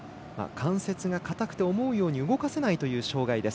関節が硬くて思うように動かせないという障がいです。